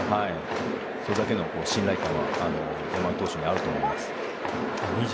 それだけの信頼感は山本投手にはあると思います。